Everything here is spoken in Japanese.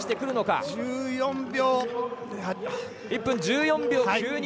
１分１４秒９２。